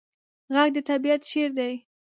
غږ د طبیعت شعر دی